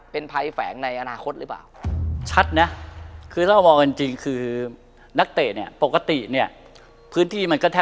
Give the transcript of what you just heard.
เป็นภัยแฝงในอนาคตหรือเปล่า